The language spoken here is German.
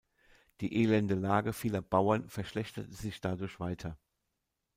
Die elende Lage vieler Bauern verschlechterte sich dadurch weiter.